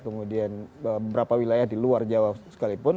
kemudian beberapa wilayah di luar jawa sekalipun